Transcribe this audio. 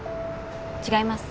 違います。